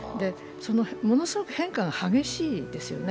ものすごく変化が激しいですよね。